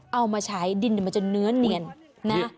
เอามาใช้ดินมันจะเนื้อเนียนนะ